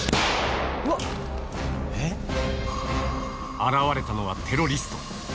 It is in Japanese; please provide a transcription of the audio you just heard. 現れたのはテロリスト。